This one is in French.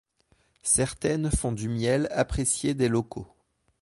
Certaines font du miel apprécié des locaux.